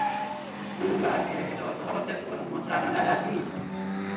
او بر احساسات خود مسلط نیست.